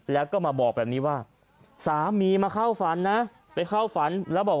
แล้วก็มาบอกแบบนี้ว่าสามีมาเข้าฝันนะไปเข้าฝันแล้วบอก